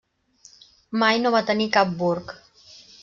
Mai no va tenir cap burg.